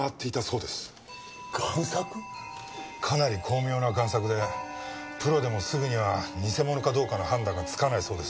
かなり巧妙な贋作でプロでもすぐには偽物かどうかの判断がつかないそうです。